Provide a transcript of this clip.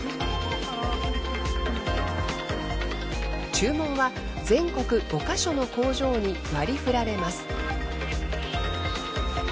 注文は全国５ヵ所の工場に割り振られます。